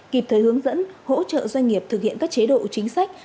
kịp thời hướng dẫn hỗ trợ doanh nghiệp thực hiện các chế độ chính sách